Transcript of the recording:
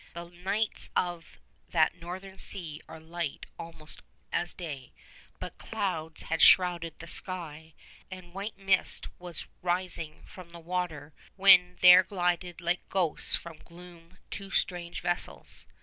The nights of that northern sea are light almost as day; but clouds had shrouded the sky and a white mist was rising from the water when there glided like ghosts from gloom two strange vessels.